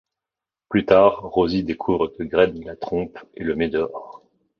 Plus tard, Rosie découvre que Greg la trompe et le met dehors.